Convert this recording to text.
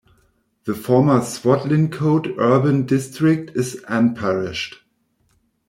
The former Swadlincote Urban District is unparished.